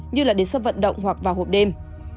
như đến sân vận động hoặc vào hộp đêm